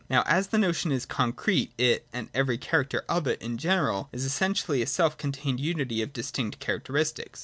Now as the notion is concrete, it and every character of it in general is essentially a self contained unity of distinct characteristics.